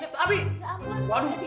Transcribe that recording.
tapi kenapa bi